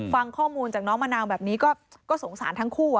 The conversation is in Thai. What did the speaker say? ทีมนาภาษาประหลาด